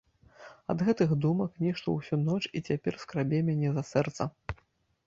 Ад гэтых думак нешта ўсю ноч і цяпер скрабе мяне за сэрца.